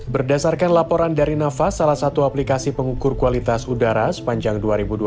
berdasarkan laporan dari nafas salah satu aplikasi pengukur kualitas udara sepanjang dua ribu dua puluh